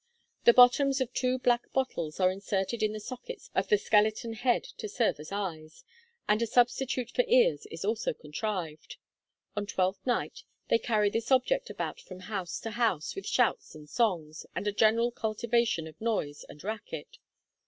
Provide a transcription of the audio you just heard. The bottoms of two black bottles are inserted in the sockets of the skeleton head to serve as eyes, and a substitute for ears is also contrived. On Twelfth Night they carry this object about from house to house, with shouts and songs, and a general cultivation of noise and racket.